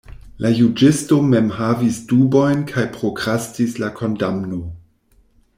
La juĝisto mem havis dubojn kaj prokrastis la kondamno.